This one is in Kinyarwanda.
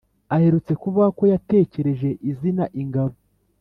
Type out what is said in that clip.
Aherutse kuvuga ko yatekereje izina Ingabo